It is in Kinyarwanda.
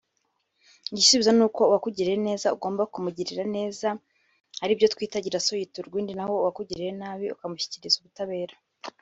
Igisubizo nuko uwakugiriye neza ugomba kumugirira neza aribyo twita “Gira so yiturwa indi” naho uwakugiriye nabi ukamushyikiriza ubutabera